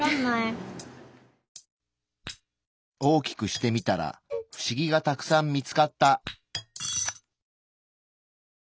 大きくしてみたらフシギがたくさん見つかった。